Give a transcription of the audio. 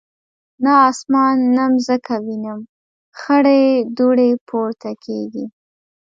نه اسمان نه مځکه وینم خړي دوړي پورته کیږي